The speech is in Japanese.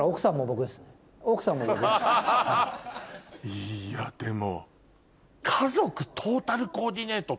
いやでも。